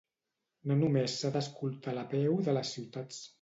No només s’ha d’escoltar la veu de les ciutats.